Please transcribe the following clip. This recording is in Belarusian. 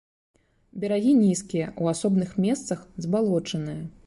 Берагі нізкія, у асобных месцах забалочаныя.